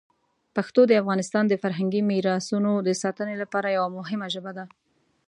پښتو د افغانستان د فرهنګي میراتونو د ساتنې لپاره یوه مهمه ژبه ده.